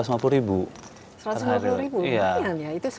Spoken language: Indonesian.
itu semua dari hasil sampah itu